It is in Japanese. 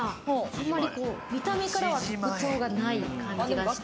あまり見た目からは特徴がない感じがして。